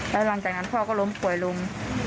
แล้วหลังจากนั้นพ่อก็ล้มป่วยลง